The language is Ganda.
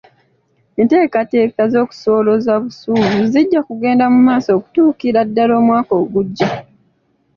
Enteekateeka z'okusolooza busuulu zijja kugenda mu maaso okutuukira ddala omwaka ogujja.